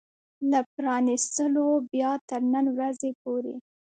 له پرانيستلو بيا تر نن ورځې پورې